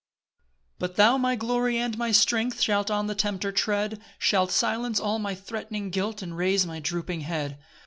3 But thou, my glory and my strength, Shalt on the tempter tread, Shalt silence all my threatening guilt, And raise my drooping head.